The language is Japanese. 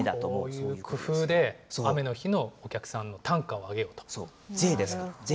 こういう工夫で、雨の日のお客さんの単価を上げると。